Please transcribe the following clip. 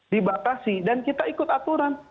dibatasi dan kita ikut aturan